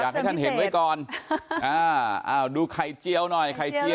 แขกรักเชิญพิเศษ